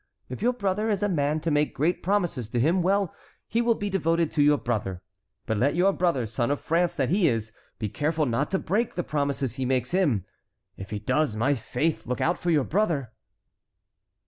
If your brother is a man to make great promises to him, well, he will be devoted to your brother; but let your brother, son of France that he is, be careful not to break the promises he makes him. If he does, my faith, look out for your brother!"